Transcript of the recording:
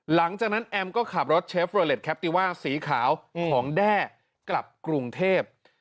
หลังจากนั้นแอมก็ขับรถเชฟรอเล็ตแคปติว่าสีขาวของแด้กลับกรุงเทพ